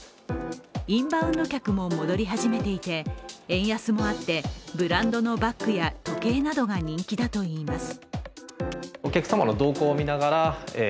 インバウンド客も戻り始めていて円安もあって、ブランドのバッグや時計などが人気だといいます。